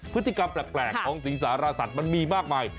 พฤติกรรมแปลกของสิงสารสัตว์มันมีมากมาย